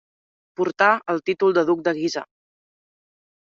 Portà el títol de duc de Guisa.